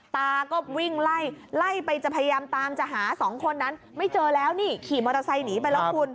ตาก็วิ่งไล่ไล่ไปจะพยายามตามจะหาสองคนนั้นไม่เจอแล้วนี่ขี่มอเตอร์ไซค์หนีไปแล้วคุณ